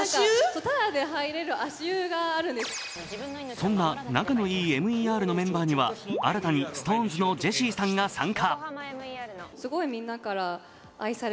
そんな仲のいいＭＥＲのメンバーには新たにＳｉｘＴＯＮＥＳのジェシーさんが参加。